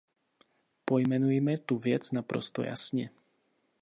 Pojmenujme tu věc naprosto jasně.